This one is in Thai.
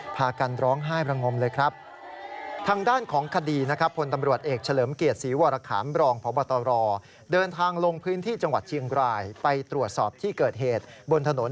พากันร้องไห้พลงมเลยครับ